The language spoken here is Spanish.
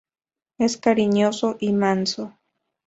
Es cariñoso y manso.